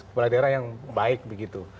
kepala daerah yang baik begitu